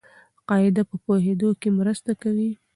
قاعده په پوهېدو کښي مرسته کوي.